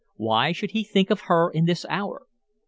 Why should he think of her in this hour?